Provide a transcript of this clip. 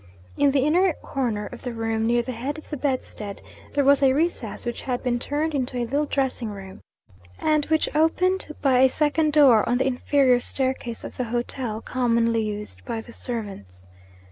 In the inner corner of the room, near the head of the bedstead, there was a recess which had been turned into a little dressing room, and which opened by a second door on the interior staircase of the hotel, commonly used by the servants.